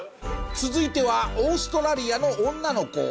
続いてはオーストラリアの女の子。